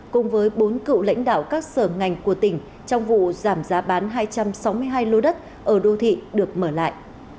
cùng với bốn cựu lãnh đạo các sở ngành của tỉnh trong vụ giảm giá bán hai trăm sáu mươi hai lô đất ở đô thị được mở lại